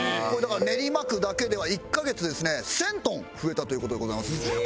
これだから練馬区だけでは１カ月ですね１０００トン増えたという事でございます。